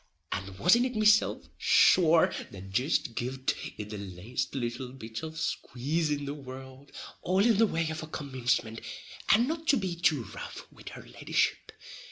And wasn't it mesilf, sure, that jist giv'd it the laste little bit of a squaze in the world, all in the way of a commincement, and not to be too rough wid her leddyship?